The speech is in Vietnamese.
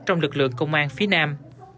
trong lực lượng công an phía nam